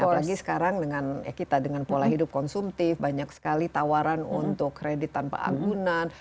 apalagi sekarang dengan kita dengan pola hidup konsumtif banyak sekali tawaran untuk kredit tanpa agunan